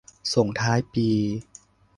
ส่งท้ายปี